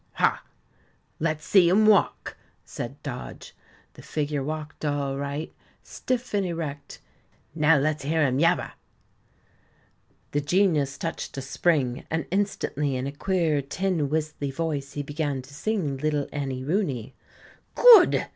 "Ha! Let's see him walk," said Dodge. The figure walked all right, stiff and erect. "Now let's hear him yabber." The Genius touched a spring, and instantly, in a queer, tin whistly voice, he began to sing, "Little Annie Rooney". "Good!"